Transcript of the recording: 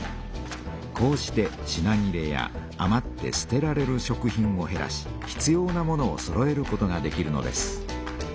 こうして品切れやあまってすてられる食品をへらし必要なものをそろえることができるのです。